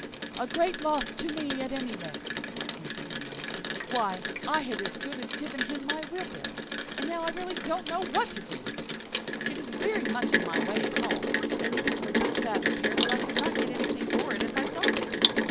"'A great loss to me at any rate,' answered the Miller; 'why, I had as good as given him my wheelbarrow, and now I really don't know what to do with it. It is very much in my way at home, and it is in such bad repair that I could not get anything for it if I sold it.